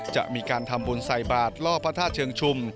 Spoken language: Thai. จะมีการธรรมบุญไสบาทรอบพระธาตุเชิงชุม